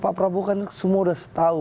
pak prabowo kan semua udah tahu